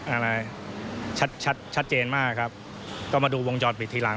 อะไรชัดชัดชัดเจนมากครับก็มาดูวงจรปิดทีหลัง